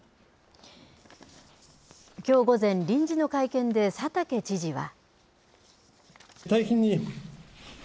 きょう午前、臨時の会見で佐竹知事は。